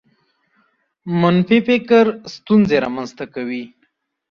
منفي فکر ستونزې رامنځته کوي.